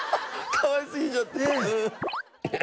かわいすぎちゃって。ねぇ。